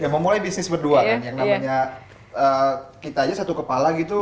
memulai bisnis berdua kita saja satu kepala